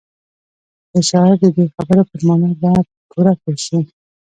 د شاعر د دې خبرو پر مانا به پوره پوه شئ.